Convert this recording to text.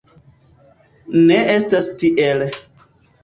Ne estas tiel.